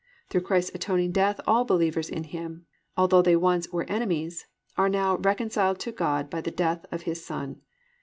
Through Christ's atoning death all believers in Him, although they once "were enemies," are now "reconciled to God by the death of His Son."